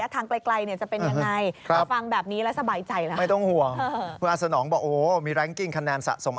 ที่แรกก็ห่วงไงว่าอายุเยอะแล้ว